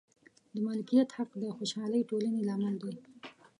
د مالکیت حق د خوشحالې ټولنې لامل دی.